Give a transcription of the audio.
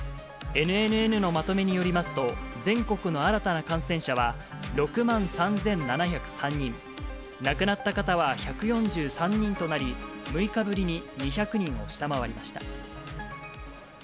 ＮＮＮのまとめによりますと、全国の新たな感染者は、６万３７０３人、亡くなった方は１４３人となり、６日ぶりに２００人を下回りました。